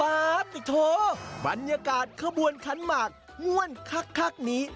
ป๊าบมิโธบรรยากาศขบวนคันหมากง่วนคักนี้